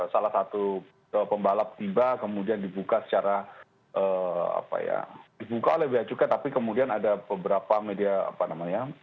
salah satu pembalap tiba kemudian dibuka secara dibuka oleh beacukai tapi kemudian ada beberapa media apa namanya